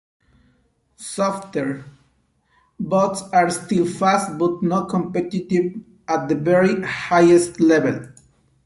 "Softer" boats are still fast, but not competitive at the very highest level.